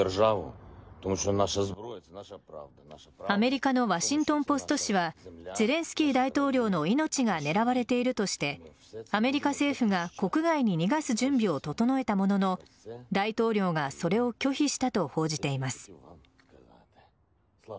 アメリカのワシントン・ポスト紙はゼレンスキー大統領の命が狙われているとしてアメリカ政府が国外に逃がす準備を整えたものの大統領がそれを拒否したと報じています。